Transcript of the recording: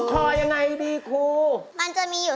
คุณบ้านเดียวกันแค่มองตากันก็เข้าใจอยู่